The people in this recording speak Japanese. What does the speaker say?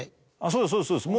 そうですそうです